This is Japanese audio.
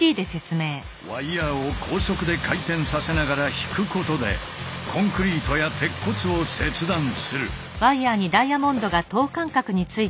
ワイヤーを高速で回転させながら引くことでコンクリートや鉄骨を切断する。